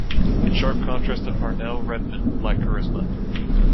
In sharp contrast to Parnell, Redmond lacked charisma.